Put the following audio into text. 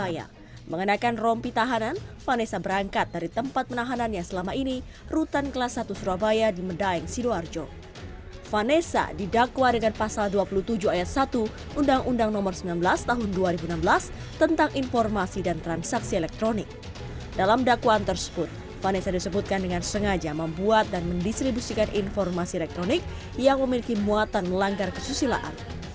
yang membuat dan mendistribusikan informasi elektronik yang memiliki muatan melanggar kesusilaan